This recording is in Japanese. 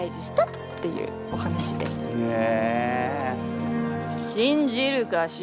へえ。